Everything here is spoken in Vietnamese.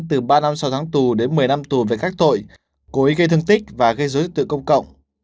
từ ba năm sau tháng tù đến một mươi năm tù về các tội cố ý gây thương tích và gây dối tự công cộng